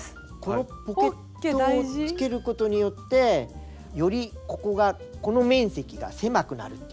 このポケットをつけることによってよりここがこの面積が狭くなるっていうかね。